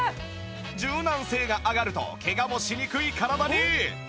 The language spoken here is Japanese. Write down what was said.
柔軟性が上がるとケガもしにくい体に